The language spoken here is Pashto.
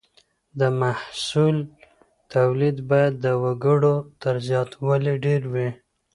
د محصول توليد بايد د وګړو تر زياتوالي ډېر وي.